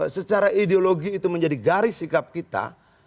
secara ideologi itu menjadi garis sikap kita